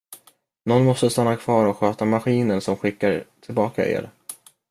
Nån måste stanna kvar och sköta maskinen som skickar tillbaka er.